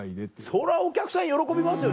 そりゃお客さん喜びますよね。